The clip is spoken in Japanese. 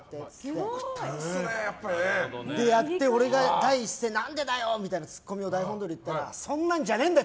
それでやって、俺が第一声何でだよ！ってツッコミを台本どおりやったらそんなんじゃねえんだよ